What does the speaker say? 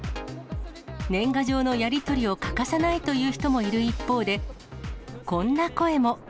年賀状のやり取りを欠かさないという人もいる一方で、こんな声も。